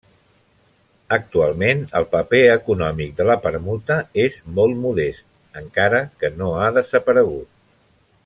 Actualment el paper econòmic de la permuta és molt modest, encara que no ha desaparegut.